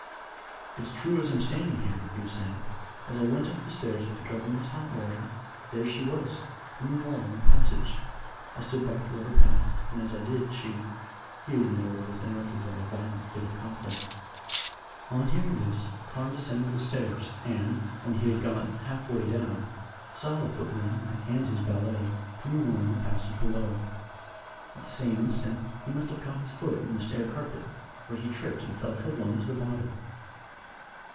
"It's true as I'm standing here," he was saying. "As I went up the stairs with the governor's hot water there she was coming along the passage. I stood back to let her pass, and as I did she " (Here the narrative was interrupted by a violent fit of coughing.) On hearing this Carne descended the stairs, and, when he had got half way down, saw the footman and his valet coming along the passage below. At the same instant he must have caught his foot in the stair carpet, for he tripped and fell headlong to the bottom.